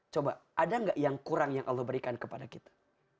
coba ada nggak yang kurang yang allah berikan kepada kita